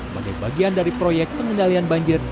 sebagai bagian dari proyek pengendalian banjir